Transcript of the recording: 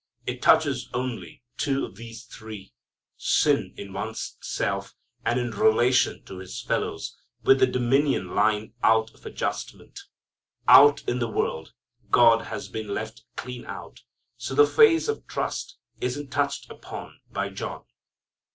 It touches only two of these three: sin in one's self and in relation to his fellows, with the dominion line out of adjustment. Out in the world God has been left clean out, so the phase of trust isn't touched upon by John.